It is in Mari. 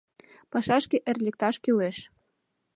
Пашашке эр лекташ кӱлеш.